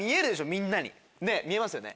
みんなに。ねぇ見えますよね？